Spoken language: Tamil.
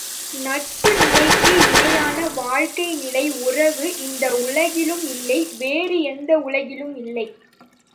நட்பு நிலைக்கு இணையான வாழ்க்கை நிலை உறவு இந்த உலகிலும் இல்லை வேறு எந்த உலகிலும் இல்லை.